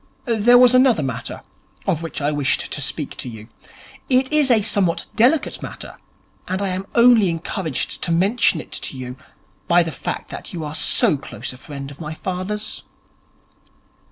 There was another matter of which I wished to speak to you. It is a somewhat delicate matter, and I am only encouraged to mention it to you by the fact that you are so close a friend of my father's.'